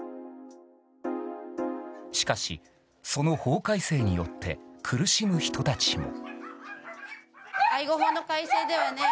しかし、その法改正によって苦しむ人たちも。